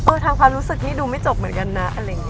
เออทางความรู้สึกนี่ดูไม่จบเหมือนกันนะ